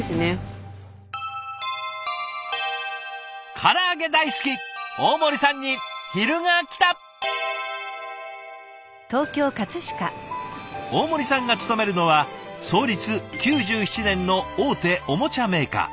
から揚げ大好き大森さんが勤めるのは創立９７年の大手おもちゃメーカー。